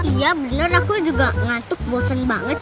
iya beneran aku juga ngantuk bosen banget